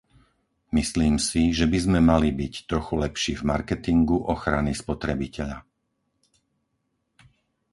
Myslím si, že by sme mali byť trochu lepší v marketingu ochrany spotrebiteľa.